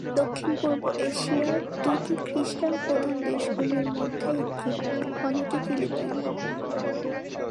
এটি দক্ষিণ-পূর্ব এশিয়ার দুটি খ্রিস্টান প্রধান দেশগুলির মধ্যে একটি, অন্যটি ফিলিপাইন।